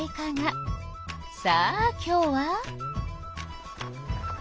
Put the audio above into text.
さあ今日は。